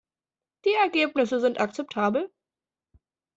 Die Ergebnisse sind akzeptabel.